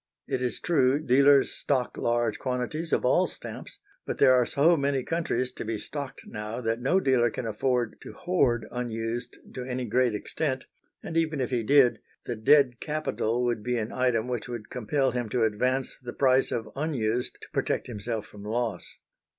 It is true dealers stock large quantities of all stamps, but there are so many countries to be stocked now that no dealer can afford to hoard unused to any great extent, and even if he did, the dead capital would be an item which would compel him to advance the price of unused to protect himself from loss.